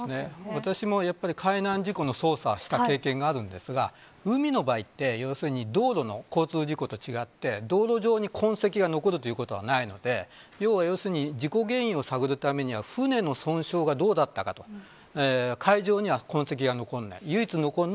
私も海難事故の捜査をした経験がありますが、海の場合は道路の交通事故と違って道路上に痕跡が残るということはないので、事故原因を探るためには船の損傷がどうだったかと海上には痕跡が残らない。